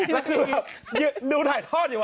แล้วคือดูถ่ายทอดอยู่